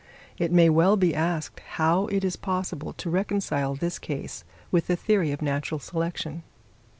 It may well be asked how it is possible to reconcile this case with the theory of natural selection?